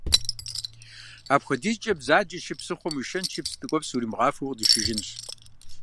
Апхуэдизкӏэ бзаджэщи, псыхъуэм уишэнщи псы ткӏуэпс уримыгъафэу укъыдишыжынщ.